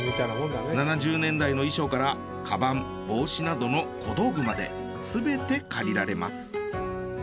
７０年代の衣装からカバン帽子などの小道具まですべて借りられます。